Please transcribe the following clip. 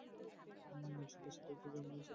মসজিদটির সাথে একটি ঝর্ণা আছে।